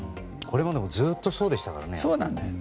これまでもずっとそうでしたからね。